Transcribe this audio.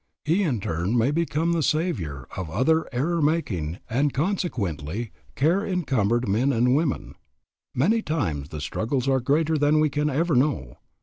He in turn may become the saviour of other error making, and consequently care encumbered men and women. Many times the struggles are greater than we can ever know.